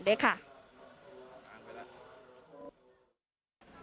จริงใจนะค่ะ